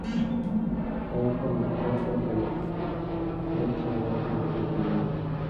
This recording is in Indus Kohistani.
(کاں قومہ چے ہب دب بئ تھہ) چے څاں لا ہیُو دژی گېل۔